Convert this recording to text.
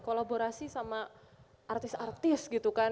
kolaborasi sama artis artis gitu kan